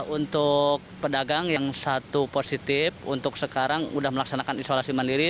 untuk pedagang yang satu positif untuk sekarang sudah melaksanakan isolasi mandiri